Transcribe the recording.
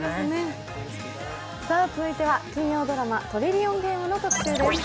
続いては金曜ドラマ「トリリオンゲーム」の特集です。